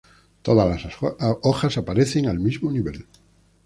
Todas las hojas aparecen al mismo nivel.